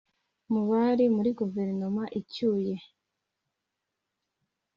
Mu bari muri Guverinoma icyuye